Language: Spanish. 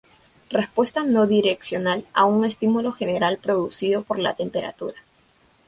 Respuesta no direccional a un estímulo general producido por la temperatura.